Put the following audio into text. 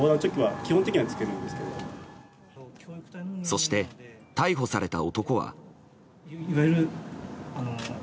そして逮捕された男は。